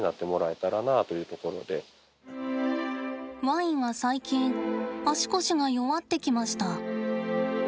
ワインは、最近足腰が弱ってきました。